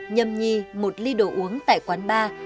nhầm nhi một ly đồ uống tại quán bar